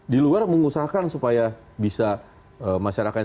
di luar mengusahakan supaya bisa masyarakat